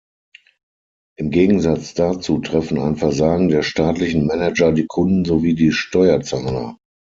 Im Gegensatz dazu treffen ein Versagen der staatlichen Manager die Kunden sowie die Steuerzahler.